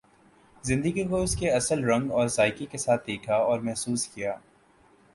زندگی کو اس کے اصل رنگ اور ذائقہ کے ساتھ دیکھا اور محسوس کیا